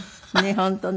本当ね。